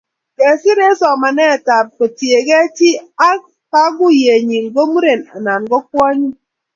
Kesir eng somanetab kotiegei chi ak kaguiyenyi ngo muren anan ko kwonyik